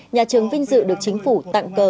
nhà trường vinh dự được chính phủ tặng cờ